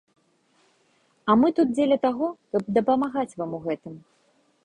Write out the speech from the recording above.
А мы тут дзеля таго, каб дапамагаць вам у гэтым.